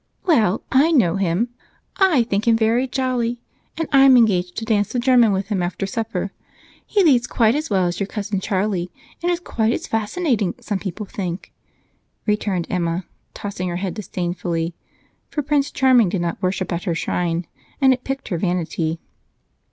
"Well, I know him. I think him very jolly, and I'm engaged to dance the German with him after supper. He leads quite as well as your cousin Charlie and is quite as fascinating, some people think," returned Emma, tossing her head disdainfully, for Prince Charming did not worship at her shrine and it piqued her vanity.